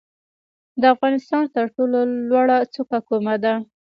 د افغانستان تر ټولو لوړه څوکه کومه ده؟